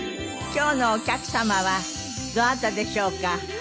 今日のお客様はどなたでしょうか。